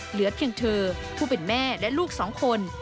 เหลือเพียงเธอผู้เป็นแม่และลูกสองคน